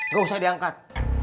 gak usah diangkat